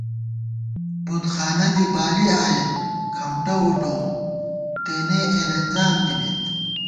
بُتخانہ دی بالی آئېم ،کھمٹہ وُٹَوُم، تېنے اېلېنزان دِمېت